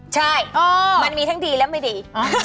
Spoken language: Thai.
ใช่มันมีทั้งดีและไม่ดี